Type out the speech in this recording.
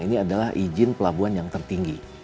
ini adalah izin pelabuhan yang tertinggi